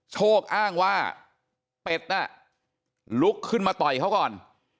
โชคอ้างว่าเป็ดน่ะลุกขึ้นมาต่อยเขาก่อน